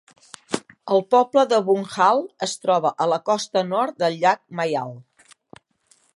El poble de Bungwahl es troba a la costa nord del llac Myall.